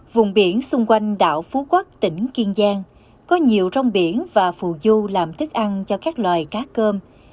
vùng biển xung quanh đảo phú quốc tỉnh kiên giang có nhiều rong biển và phù du làm thức ăn cho các loài cá cơm